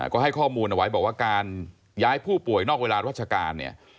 ก็ให้ข้อมูลเอาไว้บอกว่าการย้ายผู้ป่วยนอกเวลาราชการเนี่ย